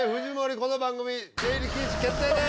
この番組出入り禁止決定です